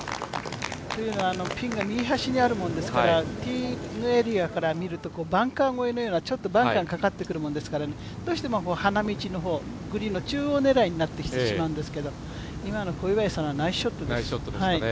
ピンが右端にあるもんですから、ティーイングエリアから見るとバンカー越えのようなバンカーにかかってきますからどうしても花道、グリーンの中央狙いになってきちゃうんですけど今の小祝さんのはナイスショットですね。